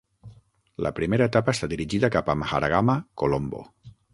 La primera etapa està dirigida cap a Maharagama - Colombo.